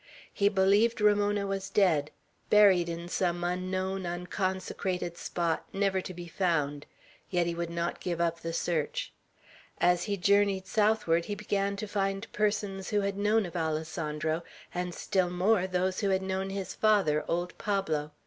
He believed Ramona was dead, buried in some unknown, unconsecrated spot, never to be found; yet he would not give up the search. As he journeyed southward, he began to find persons who had known of Alessandro; and still more, those who had known his father, old Pablo.